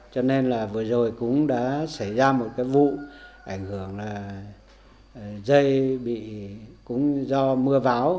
cho nên là vừa rồi cũng đã xảy ra một cái vụ ảnh hưởng là dây bị cũng do mưa bão